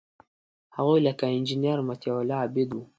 هغوی لکه انجینیر مطیع الله عابد وو.